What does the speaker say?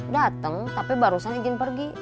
datang tapi barusan izin pergi